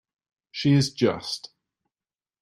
She is just.